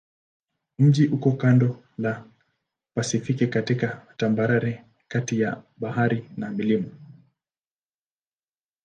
Mji uko kando la Pasifiki katika tambarare kati ya bahari na milima.